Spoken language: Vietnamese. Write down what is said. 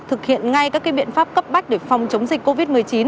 thực hiện ngay các biện pháp cấp bách để phòng chống dịch covid một mươi chín